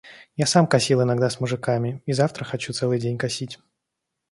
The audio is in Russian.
Я сам косил иногда с мужиками и завтра хочу целый день косить.